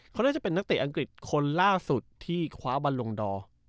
เขาน่าจะเป็นนักเตะอังกฤษคนล่าสุดที่คว้าบันลงดอร์